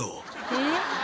えっ？